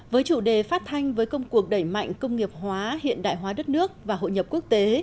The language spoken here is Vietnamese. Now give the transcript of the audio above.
với chủ đề phát thanh với công cuộc đẩy mạnh công nghiệp hóa hiện đại hóa đất nước và hội nhập quốc tế